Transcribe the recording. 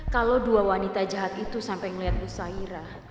kalau dua wanita jahat itu sampai melihat busa irah